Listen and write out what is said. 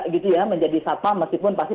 gitu ya menjadi satpam meskipun pasti